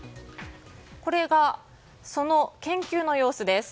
これがその研究の様子です。